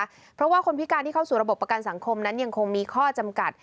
เพราะว่าคนพิการที่เข้าสู่ระบบประกันสังคมนั้นยังคงมีข้อจำกัด